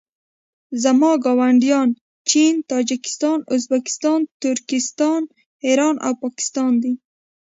زما ګاونډیان چین تاجکستان ازبکستان ترکنستان ایران او پاکستان دي